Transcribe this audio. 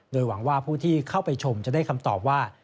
โดยหวังว่าผู้ที่เข้าไปชมจะได้คำตอบว่า